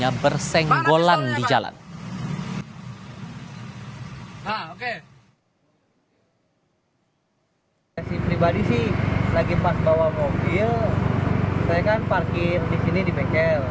aksi pribadi lagi pas bawa mobil saya kan parkir di sini di bekel